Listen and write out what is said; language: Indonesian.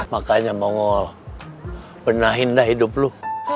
makanya mongol benahin dah hidup lo